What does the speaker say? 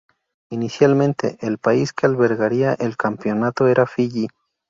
Inicialmente el país que albergaría el campeonato era Fiyi.